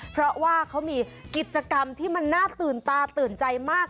เพราะว่าเขามีกิจกรรมที่มันน่าตื่นตาตื่นใจมาก